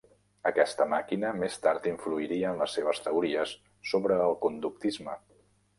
Aquesta màquina més tard influiria en les seves teories sobre el conductisme.